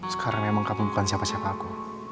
sekarang memang kamu bukan siapa siapa aku